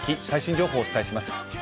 最新情報をお伝えします。